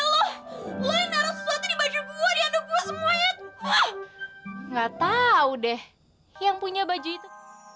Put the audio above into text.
gak tau deh yang punya baju itu